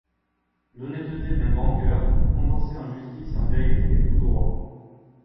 L’honnêteté d’un grand cœur, condensée en justice et en vérité, foudroie.